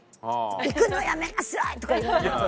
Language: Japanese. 行くのやめなさい！とか言われなかった？